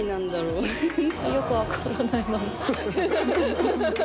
よく分からない。